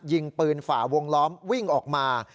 ยิงปืนฝ่าวงล้อมวิ่งออกมา